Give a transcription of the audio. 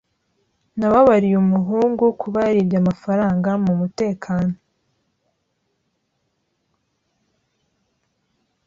Nababariye umuhungu kuba yaribye amafaranga mumutekano.